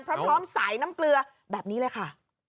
พร้อมสายน้ำเกลือแบบนี้เลยค่ะ